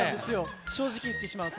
正直言ってしまうと。